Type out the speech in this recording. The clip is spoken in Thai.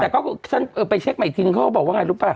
แต่ก็ฉันไปเช็คใหม่อีกทีนึงเขาก็บอกว่าไงรู้ป่